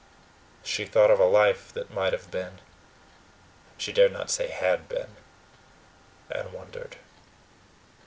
She thought of a life that might have been she dared not say HAD been and wondered.